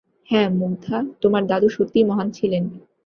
হ্যাঁ, মুগ্ধা, তোমার দাদু সত্যিই মহান ছিলেন!